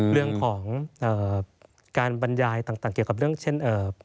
เรื่องของการบรรยายต่างเกี่ยวกับเรื่องเช่น